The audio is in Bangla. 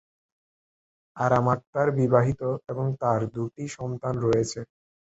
আরাম আক্তার বিবাহিত এবং তাঁর দুটি সন্তান রয়েছে।